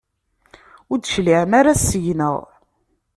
Ur d-tecliɛem ara seg-neɣ.